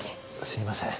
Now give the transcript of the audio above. すいません。